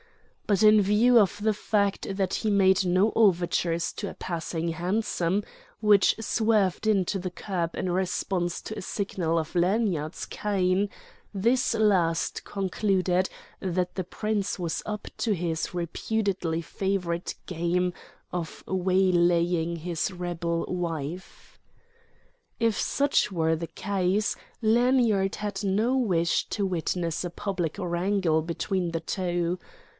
But in view of the fact that he made no overtures to a passing hansom, which swerved in to the curb in response to a signal of Lanyard's cane, this last concluded that the prince was up to his reputedly favourite game of waylaying his rebel wife. If such were the case, Lanyard had no wish to witness a public wrangle between the two.